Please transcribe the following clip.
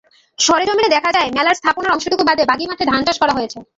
সরেজমিনে দেখা যায়, মেলার স্থাপনার অংশটুকু বাদে বাকি মাঠে ধান চাষ করা হয়েছে।